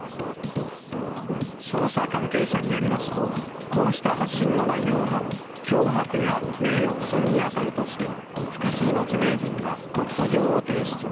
捜査関係者によりますと、こうした発信の内容が脅迫や名誉毀損に当たるとして、複数の著名人が告訴状を提出。